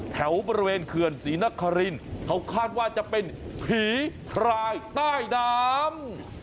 แถวบริเวณเขือนศรีนครินทร์เขาคาดว่าจะเป็นพิหรายใต้ดาม